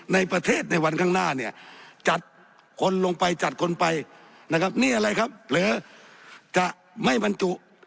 นะครับนี่อะไรครับเผลอจะไม่บรรจุ